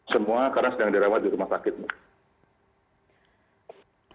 semua karena sedang dirawat di rumah sakit mbak